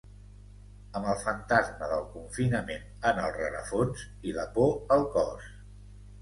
Amb el fantasma del confinament en el rerefons i la por al cos.